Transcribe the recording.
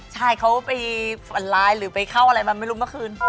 ใช่เขาไปฝันไลน์หรือไปเข้าอะไรมาไม่รู้เมื่อคืน